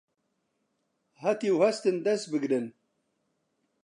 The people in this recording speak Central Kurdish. هەتیو هەستن دەس بگرن